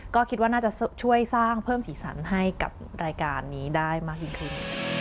ก็คิดว่าน่าจะช่วยสร้างเพิ่มสีสันให้กับรายการนี้ได้มากยิ่งขึ้น